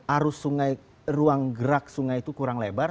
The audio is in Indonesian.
arus sungai ruang gerak sungai itu kurang lebar